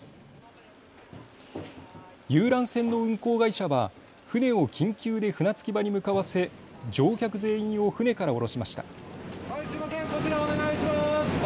遊覧船の運航会社は船を緊急で船着き場に向かわせ乗客全員を船から降ろしました。